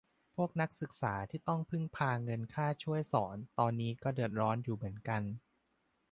พวกนักศึกษาที่ต้องพึ่งพาเงินค่าช่วยสอนตอนนี้ก็เดือดร้อนอยู่เหมือนกัน